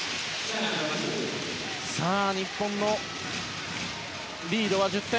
日本のリードは１０点。